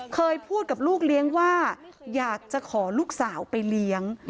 เคยพูดกับลูกเลี้ยงว่าอยากจะขอลูกสาวไปเลี้ยง